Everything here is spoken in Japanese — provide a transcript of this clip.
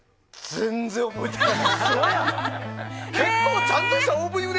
全然覚えてない！